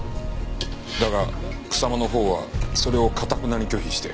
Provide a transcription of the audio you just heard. だが草間のほうはそれを頑なに拒否して。